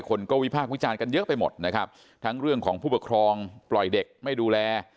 คนก็วิพากษ์วิจารณ์กันเยอะไปหมดนะครับทั้งเรื่องของผู้ปกครองปล่อยเด็กไม่ดูแล